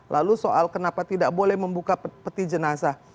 lalu soal kenapa tidak boleh membuka peti jenazah